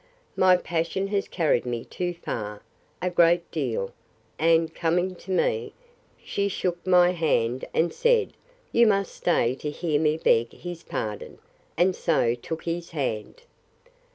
My passion has carried me too far, a great deal; and, coming to me, she shook my hand, and said, You must stay to hear me beg his pardon; and so took his hand.